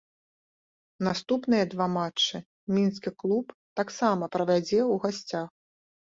Наступныя два матчы мінскі клуб таксама правядзе ў гасцях.